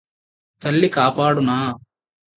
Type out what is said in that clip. తల్లికాపాడునా